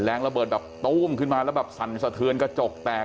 ระเบิดแบบตู้มขึ้นมาแล้วแบบสั่นสะเทือนกระจกแตก